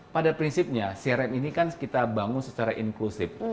pada prinsipnya crm ini kan kita bangun secara inklusif